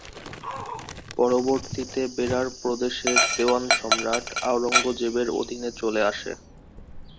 পরবর্তীতে বেরার প্রদেশের দেওয়ান সম্রাট আওরঙ্গজেবের অধীনে চলে আসে।